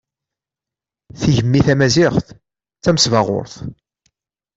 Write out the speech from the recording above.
Tigemmi tamaziɣt d tamesbaɣurt.